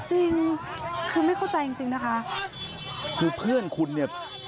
จริงคือไม่เข้าใจจริงจริงนะคะคือเพื่อนคุณเนี่ย